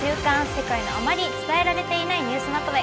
世界のあまり伝えられていないニュースまとめ」。